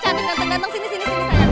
ganteng ganteng sini sini sini